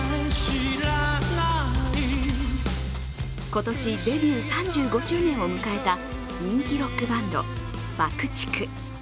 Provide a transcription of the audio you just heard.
今年デビュー３５周年を迎えた人気ロックバンドＢＵＣＫ−ＴＩＣＫ。